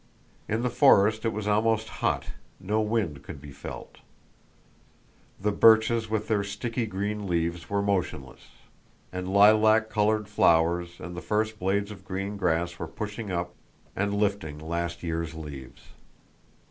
In the forest it was almost hot, no wind could be felt. The birches with their sticky green leaves were motionless, and lilac colored flowers and the first blades of green grass were pushing up and lifting last year's leaves.